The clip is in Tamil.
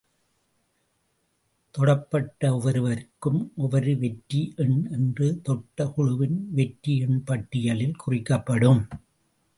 தொடப்பட்ட ஒவ்வொருவருக்கும் ஒவ்வொரு வெற்றி எண் என்று தொட்ட குழுவின் வெற்றி எண் பட்டியலில் குறிக்கப்படும்.